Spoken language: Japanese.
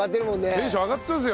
テンション上がってますよ。